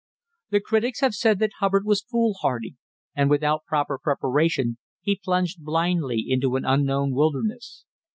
The critics have said that Hubbard was foolhardy, and without proper preparation he plunged blindly into an unknown wilderness.